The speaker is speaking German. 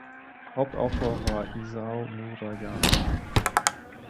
Hauptautor war Isao Murayama.